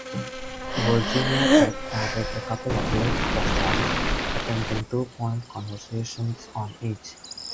Virginia Tech added a couple of late touchdowns, attempting two-point conversions on each.